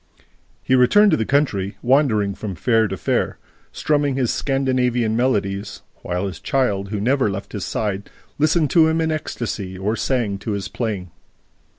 He returned to the country, wandering from fair to fair, strumming his Scandinavian melodies, while his child, who never left his side, listened to him in ecstasy or sang to his playing.